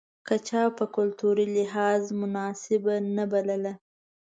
که چا په کلتوري لحاظ مناسبه نه بلله.